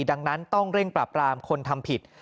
ดังนั้นต้องเร่งปราบรามคนทำผิด